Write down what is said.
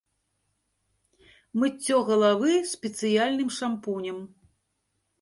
Мыццё галавы спецыяльным шампунем.